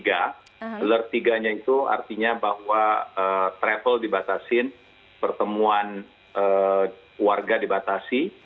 alert tiga nya itu artinya bahwa travel dibatasin pertemuan warga dibatasi